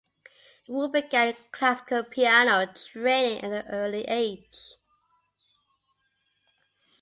Wu began classical piano training at an early age.